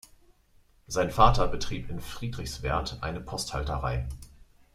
Sein Vater betrieb in Friedrichswerth eine Posthalterei.